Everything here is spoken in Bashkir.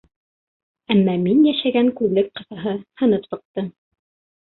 Әммә мин йәшәгән күҙлек ҡыҫаһы һынып сыҡты.